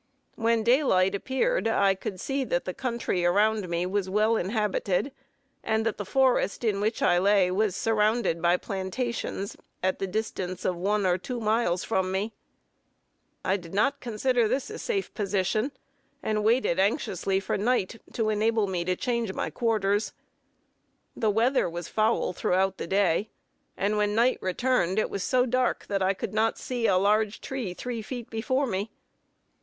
When daylight appeared, I could see that the country around me was well inhabited, and that the forest in which I lay was surrounded by plantations, at the distance of one or two miles from me. I did not consider this a safe position, and waited anxiously for night, to enable me to change my quarters. The weather was foul throughout the day; and when night returned, it was so dark that I could not see a large tree three feet before me.